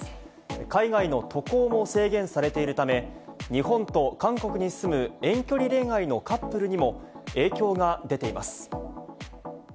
海外の渡航も制限されているため、日本と韓国に住む遠距離恋愛のカップルにも影響が出ています。